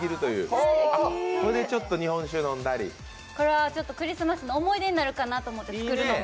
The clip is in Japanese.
これはクリスマスの思い出になるかなと思って、作るのも。